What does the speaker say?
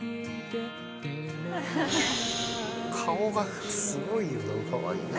顔がすごいよなかわいいな。